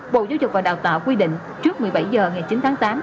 bộ giáo dục và đào tạo quy định trước một mươi bảy h ngày chín tháng tám